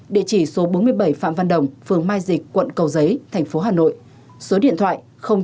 địa chỉ số bốn mươi bảy phạm văn đồng phường mai dịch quận cầu giấy tp hà nội số điện thoại chín trăm tám mươi hai hai trăm năm mươi bảy tám trăm tám mươi tám